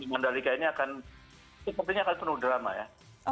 mandali kayaknya akan itu tampilnya akan penuh drama ya